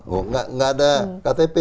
gak ada ktp